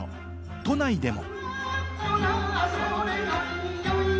都内でも。